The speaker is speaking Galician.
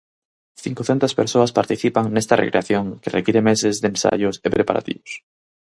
Cincocentas persoas participan nesta recreación que require meses de ensaios e preparativos...